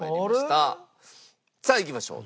さあいきましょう。